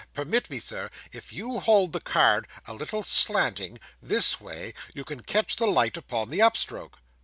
Permit me, sir if you hold the card a little slanting, this way, you catch the light upon the up stroke.